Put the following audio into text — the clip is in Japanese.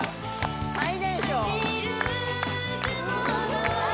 最年少え！